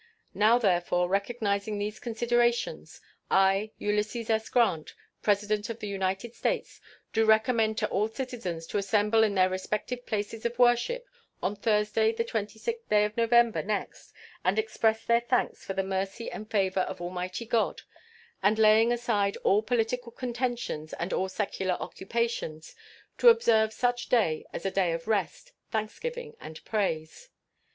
Now, therefore, recognizing these considerations, I, Ulysses S. Grant, President of the United States, do recommend to all citizens to assemble in their respective places of worship on Thursday, the 26th day of November next, and express their thanks for the mercy and favor of Almighty God, and, laying aside all political contentions and all secular occupations, to observe such day as a day of rest, thanksgiving, and praise.